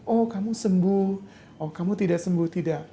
oh kamu sembuh oh kamu tidak sembuh tidak